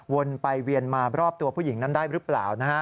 วนไปเวียนมารอบตัวผู้หญิงนั้นได้หรือเปล่านะฮะ